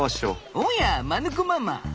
おやマヌ子ママ。